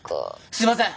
すいません！